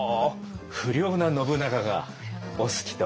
不良な信長がお好きと。